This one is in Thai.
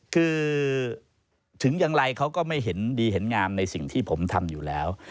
คือถึงอย่างไรเขาก็ไม่เห็นดีเห็นงามในสิ่งที่ผมทำอยู่แล้ว